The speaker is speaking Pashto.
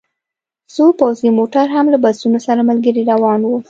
څو پوځي موټر هم له بسونو سره ملګري روان وو